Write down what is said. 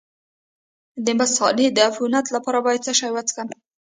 د مثانې د عفونت لپاره باید څه شی وڅښم؟